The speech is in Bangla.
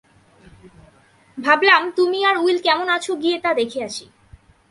ভাবলাম তুমি আর উইল কেমন আছো গিয়ে তা দেখি আসি।